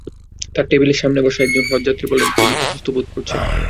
তাঁর টেবিলের সামনে বসা একজন হজযাত্রী বললেন, তিনি অসুস্থ বোধ করছেন।